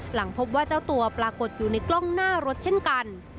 หลังพบว่าเจ้าตัวปรากฏอยู่ในกล้องหน้ารถเช่นกัน